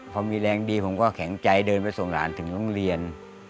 พอมีแรงดีผมก็แข็งใจเดินไปส่งหลานถึงโรงเรียน